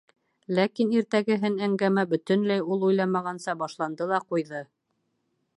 Ләкин иртәгеһен әңгәмә бөтөнләй ул уйламағанса башланды ла ҡуйҙы.